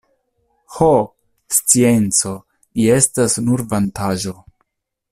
Ho! scienco, vi estas nur vantaĵo!